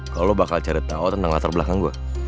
kalo lo bakal cari tau tentang latar belakang gue